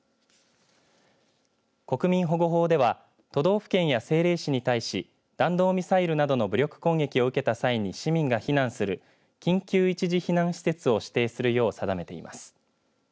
国民保護法では都道府県や政令市に対し弾道ミサイルなどの武力攻撃を受けた際に、市民が避難する緊急一時避難施設を指定するよう定めています。